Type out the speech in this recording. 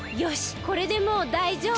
これでもうだいじょう。